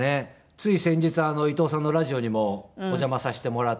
つい先日伊東さんのラジオにもお邪魔させてもらって。